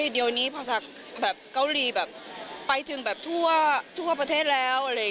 เดี๋ยวนี้พอสักเกาหลีแบบไปถึงแบบทั่วประเทศแล้ว